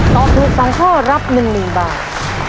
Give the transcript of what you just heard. ตอบถูกสามข้อรับหนึ่งหนึ่งบาท